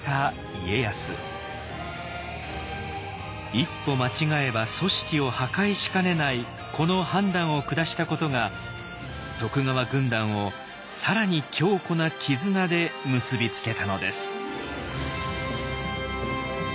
一歩間違えば組織を破壊しかねないこの判断を下したことが徳川軍団を更に強固な絆で結び付けたのです。